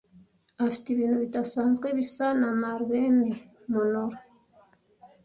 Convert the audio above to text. Afite ibintu bidasanzwe bisa na Marilyn Monroe.